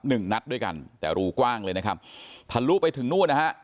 หนึ่งนัดด้วยกันแต่รูกว้างเลยนะครับทะลุไปถึงนู่นนะฮะ